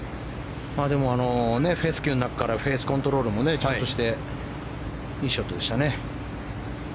でもフェスキューの中からフェースコントロールもちゃんとしていいショットでしたね。